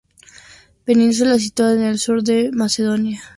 Península situada al sur de Macedonia y Tracia, boscosa y escarpada.